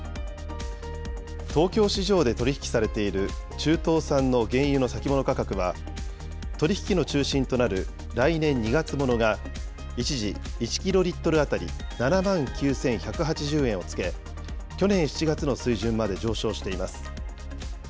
東京市場で取り引きされている中東産の原油の先物価格は、取り引きの中心となる来年２月ものが、一時、１キロリットル当たり７万９１８０円をつけ、去年７月の水準まで上昇しています。